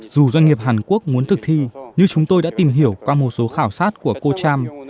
dù doanh nghiệp hàn quốc muốn thực thi nhưng chúng tôi đã tìm hiểu qua một số khảo sát của cô cham